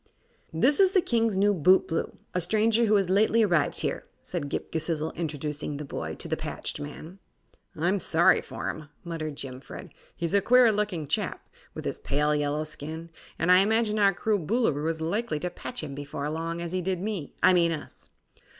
"This is the King's new bootblue, a stranger who has lately arrived here," said Ghip Ghisizzle, introducing the boy to the patched man. "I'm sorry for him," muttered Jimfred. "He's a queer looking chap, with his pale yellow skin, and I imagine our cruel Boolooroo is likely to patch him before long, as he did me I mean us."